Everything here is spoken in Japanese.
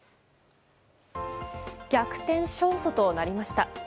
逆転勝訴となりました。